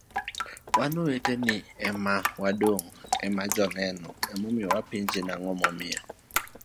wan oweteni majoneno ema wadong' ema omiyo wapenji ni ang'o momiyo